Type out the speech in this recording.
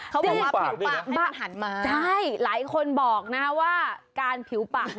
เขาปลาผิวปากด้วยนะใช่หลายคนบอกนะว่าการผิวปาก